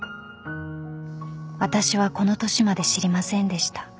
［私はこの年まで知りませんでした］